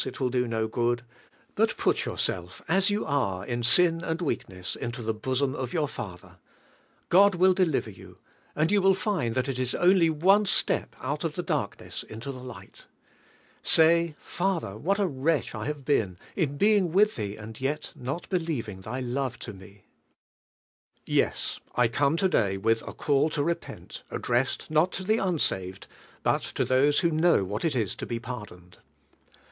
it will do no good"; but pin yourself, as you are in sin and weak ness, into the bosom of your Father, i nril will deliver you. and you will find that it is only one slop mil of flu dark ness into the light Say, "Father, what il wrelrli I lone limn, in being Willi Thee and yet mil believing Thy love to me!*' divixe nEAUNO. VJt Yes, I emne today with a eall to "re pent"; addressed, not to the unsaved, but to those who know what it is to be pard oned.